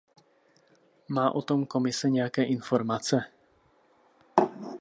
Má o tom Komise nějaké informace?